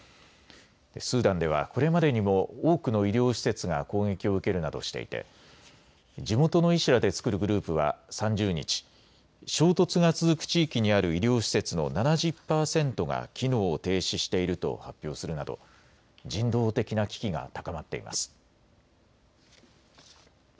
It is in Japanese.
スーダンではこれまでにも多くの医療施設が攻撃を受けるなどしていて地元の医師らで作るグループは３０日、衝突が続く地域にある医療施設の７０％が機能を停止していると発表するなど人道的な危機が高まっています。